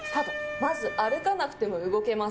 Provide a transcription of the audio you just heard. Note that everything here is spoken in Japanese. まず歩かなくても動けます。